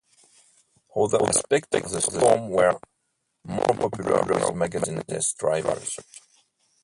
Other aspects of the Storm were more popular with magazine test drivers.